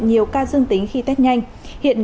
nhiều ca dương tính khi test nhanh